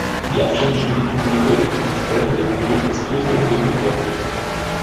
Die Aufständischen legten im Gebäudekomplex Brände, wodurch das Kloster unbewohnbar wurde.